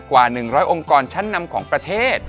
กว่า๑๐๐องค์กรชั้นนำของประเทศ